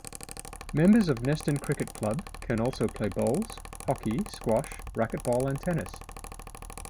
Members of Neston Cricket Club can also play bowls, hockey, squash, racketball and tennis.